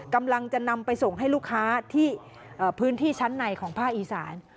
กำลังจะนำไปส่งให้ลูกค้าที่พื้นที่ชั้นในของภาคอีสาน